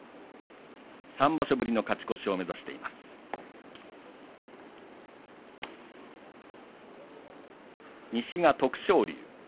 ３場所ぶりの勝ち越しを目指しています。